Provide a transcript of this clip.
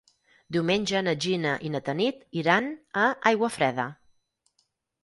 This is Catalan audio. Diumenge na Gina i na Tanit iran a Aiguafreda.